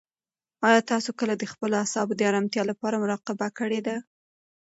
آیا تاسو کله د خپلو اعصابو د ارامتیا لپاره مراقبه کړې ده؟